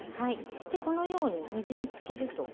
でこのように水につけると。